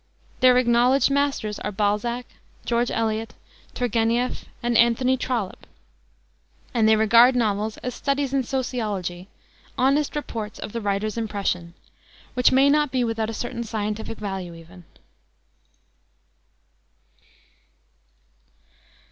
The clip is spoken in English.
Their acknowledged masters are Balzac, George Eliot, Turgénieff, and Anthony Trollope, and they regard novels as studies in sociology, honest reports of the writer's impressions, which may not be without a certain scientific value even.